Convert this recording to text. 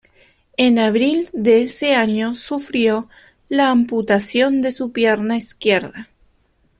En abril de ese año sufrió la amputación de su pierna izquierda.